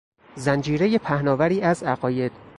زنجیرهی پهناوری از عقاید